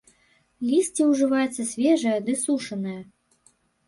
Лісце ўжываецца свежае ды сушанае.